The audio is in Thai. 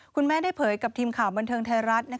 คุณแม่ได้เผยกับทีมข่าวบันเทิงไทยรัฐ